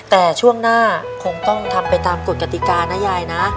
แต่ช่วงหน้าคงต้องทำไปตามกฎกติกานะยายนะ